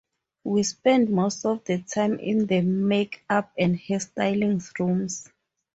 "We spend most of the time in the make-up and hairstyling rooms".